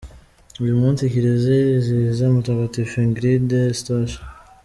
Uyu munsi Kiliziya irizihiza mutagatifu Ingrid, Eustache.